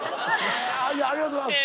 ありがとうございます。